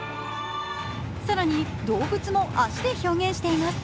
更に、動物も足で表現しています。